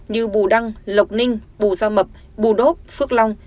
như bù đăng lộc ninh bù gia mập bù đốp phước long